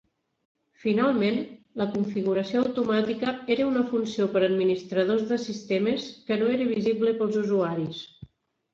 Finalment, la configuració automàtica era una funció per a administradors de sistemes que no era visible per als usuaris.